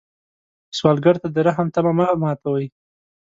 سوالګر ته د رحم تمه مه ماتوي